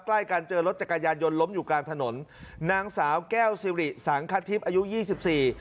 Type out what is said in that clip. ใกล้กันเจอรถจักรยานยนต์ล้มอยู่กลางถนนนางสาวแก้วซิริสังคทิพย์อายุยี่สิบสี่